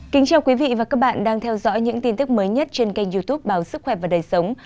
kính chào quý vị và các bạn đang theo dõi những tin tức mới nhất trên kênh youtube báo sức khỏe và đời sống